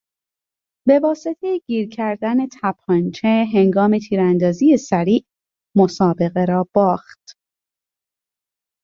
به واسطهی گیر کردن تپانچه هنگام تیراندازی سریع، مسابقه را باخت.